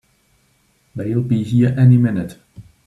They'll be here any minute!